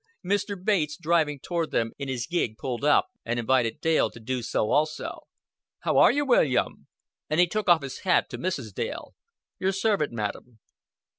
Mr. Bates driving toward them in his gig pulled up, and invited Dale to do so also. "How are you, William?" And he took off his hat to Mrs. Dale. "Your servant, madam.